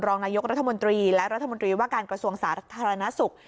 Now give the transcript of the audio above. รองนายกรัฐมนตรีและรัฐมนตรีว่าการกระทรวงสาธารณสุข